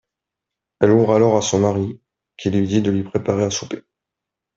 Elle ouvre alors à son mari, qui lui dit de lui préparer à souper.